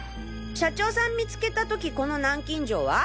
社長さん見つけた時この南京錠は？